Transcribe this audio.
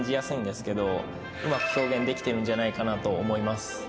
うまく表現できてるんじゃないかなと思います。